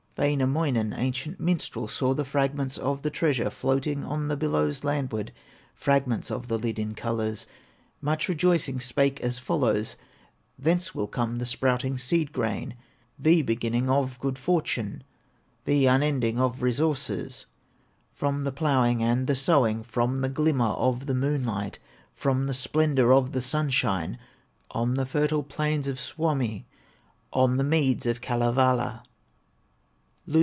Wainamoinen, ancient minstrel, Saw the fragments of the treasure Floating on the billows landward, Fragments of the lid in colors, Much rejoicing, spake as follows: "Thence will come the sprouting seed grain, The beginning of good fortune, The unending of resources, From the plowing and the sowing, From the glimmer of the moonlight, From the splendor of the sunshine, On the fertile plains of Suomi, On the meads of Kalevala."